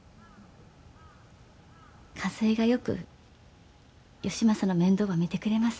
和枝がよく義正の面倒ば見てくれます。